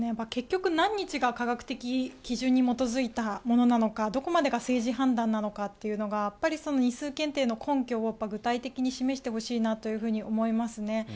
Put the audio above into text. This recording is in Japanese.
結局何日が科学的な基準に基づいたものなのかどこまでが政治判断なのか日数検定の根拠を具体的に示してほしいと思いますね。